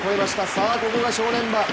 さあ、ここが正念場。